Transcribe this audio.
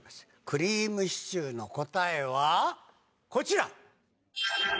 くりぃむしちゅーの答えはこちら。